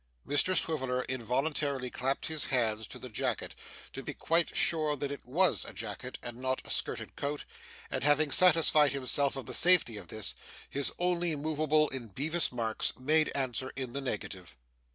Mr Swiveller involuntarily clapped his hands to the jacket to be quite sure that it WAS a jacket and not a skirted coat; and having satisfied himself of the safety of this, his only moveable in Bevis Marks, made answer in the negative.